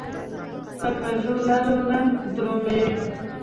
په کږو لارو نه درومي.